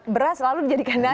beras selalu dijadikan nasi